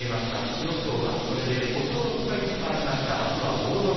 千代翔馬、これで５勝６敗と変わりました。